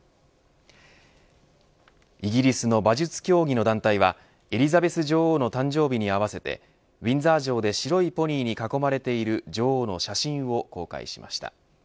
イギリスの馬術競技の団体はエリザベス女王の誕生日に合わせてウィンザー城で白いポニーに囲まれている女王の写真を公開しました。